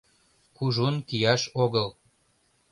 Кужун кияш огыл...»